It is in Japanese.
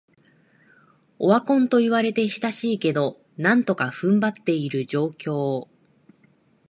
オワコンと言われて久しいけど、なんとか踏ん張ってる状況